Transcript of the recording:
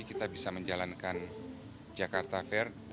kita bisa menjalankan jakarta fair